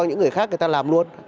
những người khác người ta làm luôn